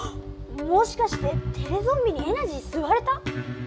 もしかしてテレゾンビにエナジーすわれた？